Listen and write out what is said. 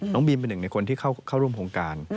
บีมเป็นหนึ่งในคนที่เข้าร่วมโครงการ